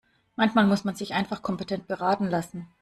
Manchmal muss man sich einfach kompetent beraten lassen.